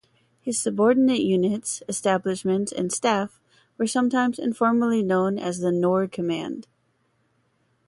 His subordinate units, establishments, and staff were sometimes informally known as the Nore Command.